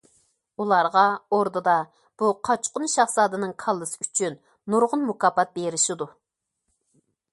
ئۇلارغا ئوردىدا بۇ قاچقۇن شاھزادىنىڭ كاللىسى ئۈچۈن نۇرغۇن مۇكاپات بېرىشىدۇ.